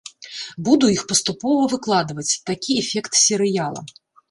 Буду іх паступова выкладваць, такі эфект серыяла.